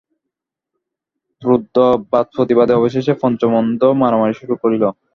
ক্রুদ্ধ বাদপ্রতিবাদে অবশেষে পঞ্চম অন্ধ মারামারি শুরু করিল।